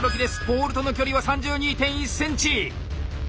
ポールとの距離は３２．１ｃｍ。